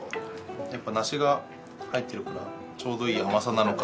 やっぱ梨が入ってるからちょうどいい甘さなのか。